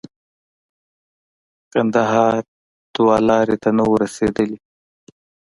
کندهار دوه لارې ته نه وو رسېدلي.